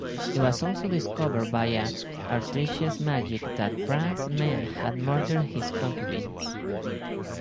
It was also discovered via Artesia's magic that Bran's men had murdered his concubines.